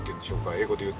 英語で言うと。